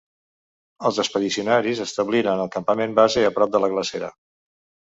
Els expedicionaris establiren el campament base a prop de la glacera.